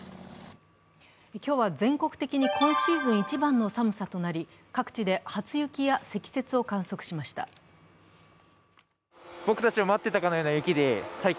今日は全国的に今シーズン一番の寒さとなり、各地で初雪や積雪を観測しました。